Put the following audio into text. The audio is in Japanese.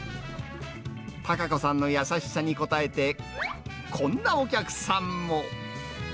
孝子さんの優しさに応えて、こんなお客さんも。